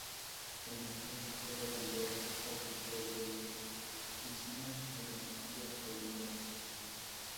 La energía se puede vender o comprar de las piscinas de la energía colindantes.